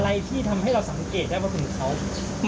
อะไรที่ทำให้เราสำเกตได้ว่านี้ไหม